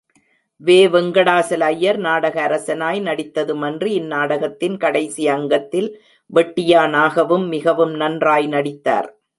வே. வெங்கடாசல ஐயர் நாடக அரசனாய் நடித்ததுமன்றி, இந் நாடகத்தின் கடைசி அங்கத்தில் வெட்டியானாகவும், மிகவும் நன்றாய் நடித்தார்.